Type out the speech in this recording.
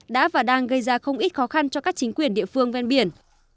đã và đang gây ra không ít khó khăn cho các chính quyền địa phương ven biển